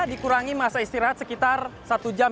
dikurangi masa istirahat sekitar satu jam